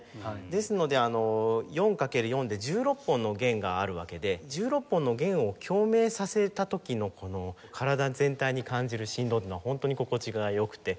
ですので４掛ける４で１６本の弦があるわけで１６本の弦を共鳴させた時の体全体に感じる振動というのは本当に心地が良くて。